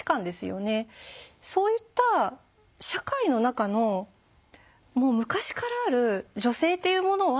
そういった社会の中のもう昔からある女性というものは。